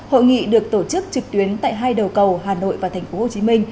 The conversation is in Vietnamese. hội nghị được tổ chức trực tuyến tại hai đầu cầu hà nội và tp hcm